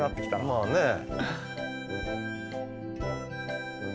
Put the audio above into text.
まあねえ。